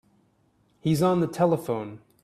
He's on the telephone.